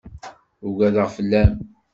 Ugadeɣ fell-am.